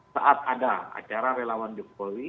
saat ada acara relawan jokowi